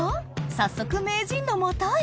早速名人の元へ！